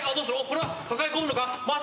これは抱え込むのか？